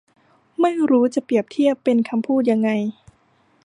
ไม่รู้ว่าจะเปรียบเทียบเป็นคำพูดยังไง